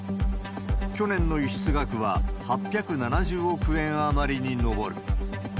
去年の輸出額は、８７０億円余りに上る。